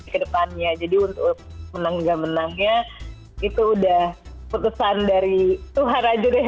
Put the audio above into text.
ke depannya jadi untuk menang gak menangnya itu udah putusan dari tuhan aja deh